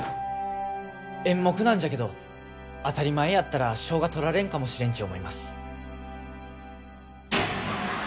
演目なんじゃけど当たり前やったら賞が取られんかもしれんち思います